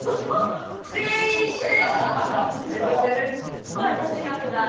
全員一致で。